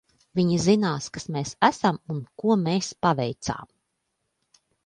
Viņi zinās, kas mēs esam un ko mēs paveicām.